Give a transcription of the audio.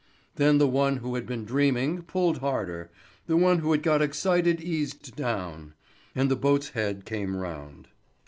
Then the one who had been dreaming pulled harder, the one who had got excited eased down, and the boat's head came round.